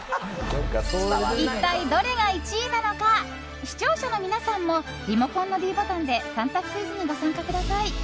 一体どれが１位なのか視聴者の皆さんもリモコンのｄボタンで３択クイズにご参加ください。